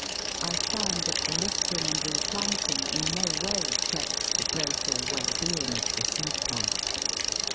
I find that the lifting and replanting in no way checks the growth or well being of the seed pods.